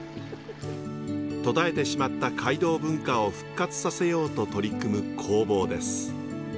途絶えてしまった街道文化を復活させようと取り組む工房です。